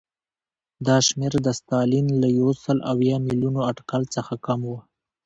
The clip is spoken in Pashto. دا شمېر د ستالین له یو سل اویا میلیونه اټکل څخه کم و